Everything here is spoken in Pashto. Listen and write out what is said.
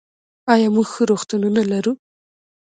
آیا موږ ښه روغتونونه لرو؟